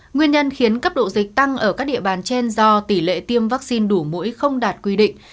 nguyên nhân khiến cấp độ dịch tăng ở các địa bàn trên do tỷ lệ tiêm vaccine đủ mũi không đạt quy định